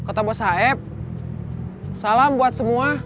kata bos saeb salam buat semua